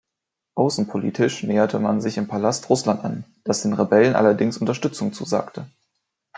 Außenpolitisch näherte man sich im Palast Russland an, das den Rebellen allerdings Unterstützung zusagte.